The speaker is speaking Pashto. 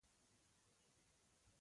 • دښمني د عقل ضد ده.